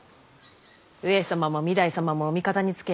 上様も御台様もお味方につけ